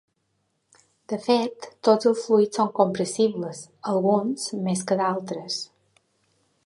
De fet, tots els fluids són compressibles, alguns més que d'altres.